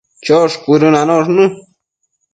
Chosh cuëdënanosh në